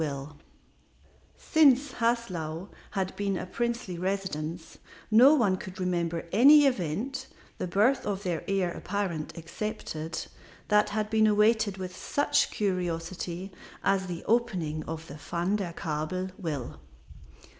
KING Since Haslau had been a princely residence no one could remember any event the birth of the heir apparent excepted that had been awaited with such curiosity as the opening of the Van der Kabel will.